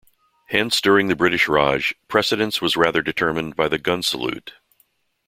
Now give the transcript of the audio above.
Hence during the British raj, precedence was rather determined by the gun salute.